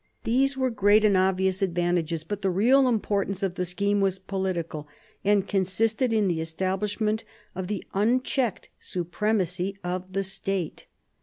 These were great and r 70 MARIA THERESA chap, iv obvious advantages, but the real importance of the scheme was political, and consisted in the establishment of the unchecked supremacy of the State.